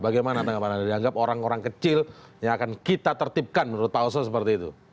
bagaimana tanggapan anda dianggap orang orang kecil yang akan kita tertipkan menurut pak oso seperti itu